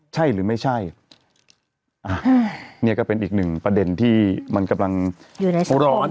ใช่หรือไม่ใช่นี่ก็เป็นอีกหนึ่งประเด็นที่มันกำลังอยู่ในหัวร้อน